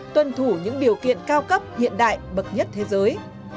tuân thủ những điều kiện cao cấp hiện đại bậc nhất thế giới